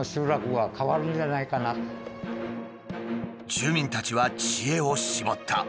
住民たちは知恵を絞った。